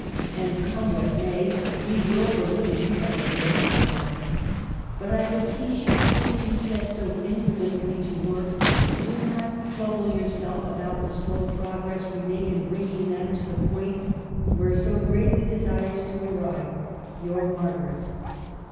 And, come what may, we will deliver you by the grace of God. But I beseech you, since they set so infamously to work, do not trouble yourself about the slow progress we make in bringing them to the point where so greatly desires to arrive Your Marguerite.